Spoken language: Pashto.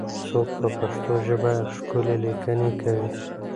څوک په پښتو ژبه ښکلې لیکنې کوي؟